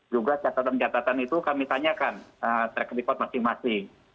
juga catatan catatan itu kami tanyakan track record masing masing